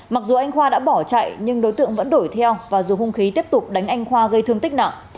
mặc dù anh khoa đã bỏ chạy nhưng đối tượng vẫn đổi theo và dùng hung khí tiếp tục đánh anh khoa gây thương tích nặng